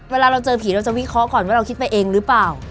เวลาเราเจอผีเราจะวิเคราะห์ก่อนว่าเราคิดไปเองหรือเปล่า